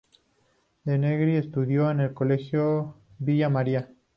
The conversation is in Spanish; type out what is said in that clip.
Denegri estudió en el Colegio Villa María.